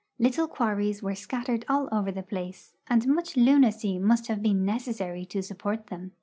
Little quarries were scattered all over the place, and much lunacy must have been necessary to support them.